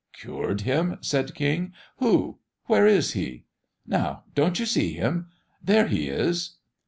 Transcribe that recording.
"Cured him?" said King. "Who? Where is he?" "Now don't you see him? There he is."